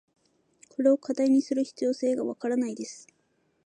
これを課題にする必要性が分からないです。